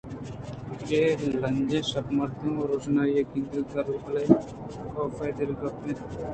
اے لنجیں شپ ءَ مردم روژنائی ءِ گندگ ءَ گل کنت بلئے کاف ءِ دل گمے ءَ گپت